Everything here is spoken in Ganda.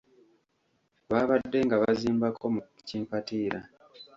Baabadde nga bazimbako mu kimpaatira.